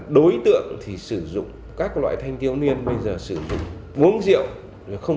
đối tượng sử dụng các loại thanh tiêu niên bây giờ sử dụng uống rượu